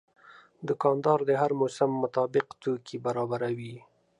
دوکاندار د هر موسم مطابق توکي برابروي.